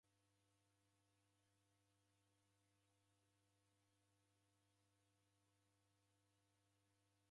Kuvurugha malagho si chia ingi iboie ezoghua kazinyi.